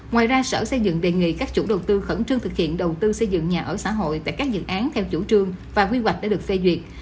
ngoài ra sở xây dựng đề nghị các chủ đầu tư khẩn trương thực hiện đầu tư xây dựng nhà ở xã hội tại các dự án theo chủ trương và quy hoạch đã được phê duyệt